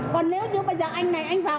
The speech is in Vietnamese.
còn nếu như bây giờ anh này anh vào